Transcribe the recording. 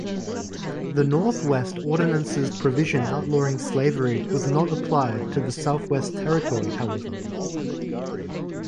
The Northwest Ordinance's provision outlawing slavery was not applied to the Southwest Territory, however.